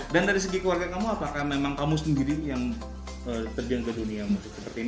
dan dari segi keluarga kamu apakah memang kamu sendiri yang terjang ke dunia musik seperti ini